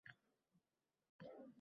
Bisyor boʼlsa hamyonda pul — yaqin olis.